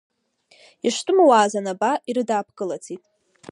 Иштәымуааз анаба, ирыдаапкылаӡеит.